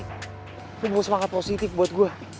lo punggul semangat positif buat gue